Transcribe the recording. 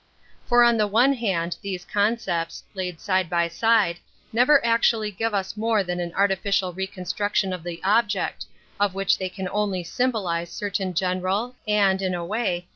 For on the one hand these concepts, laid side by side, never actually give us more than an artificial reconstruc tion of the object, of which they can only ' symbolize certain general, and, in a way